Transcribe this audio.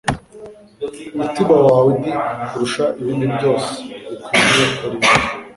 umutima wawe d kurusha ibindi byose bikwiriye kurindwa